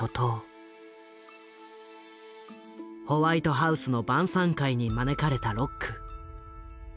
ホワイトハウスの晩さん会に招かれたロック。